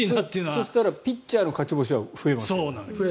そうしたらピッチャーの勝ち星は増えますよね。